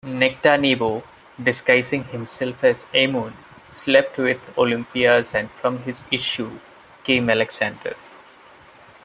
Nectanebo, disguising himself as Amun, slept with Olympias and from his issue came Alexander.